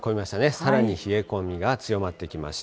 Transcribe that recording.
さらに冷え込みが強まってきました。